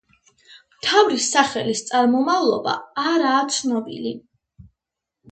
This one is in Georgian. მთავრის სახელის წარმომავლობა არაა ცნობილი.